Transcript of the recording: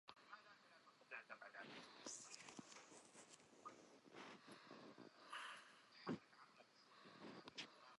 ناچاری هەموو کار بە پیاو دەکا